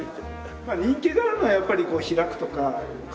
人気があるのはやっぱり「開く」とか開運的な。